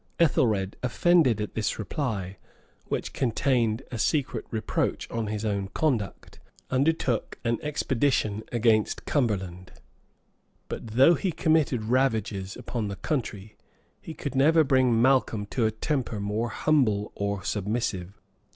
Ethelred, offended at this reply, which contained a secret reproach on his own conduct, undertook an expedition against Cumberland; but though he committed ravages upon the country, he could never bring Malcolm to a temper more humble or submissive.